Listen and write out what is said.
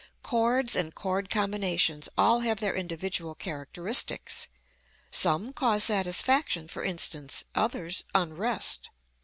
Chords and chord combinations all have their individual characteristics. Some cause satisfaction, for instance, others unrest.